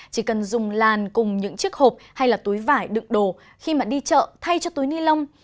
chỉ cần dùng làn cùng những chiếc hộp hay là túi vải đựng đồ khi mà đi chợ thay cho túi ni lông